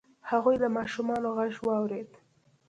هغوی د ماشومانو غږ واورید.